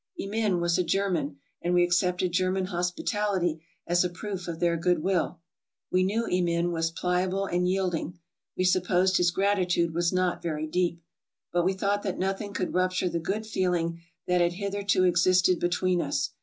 Emin was a German, and we accepted German hospi tality as a proof of their good will. We knew Emin was pliable and yielding. We supposed his gratitude was not very deep. But we thought that nothing could rupture the good feeling that had hitherto existed between us.